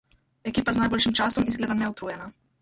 Ekipa z najboljšim časom izgleda neutrujena.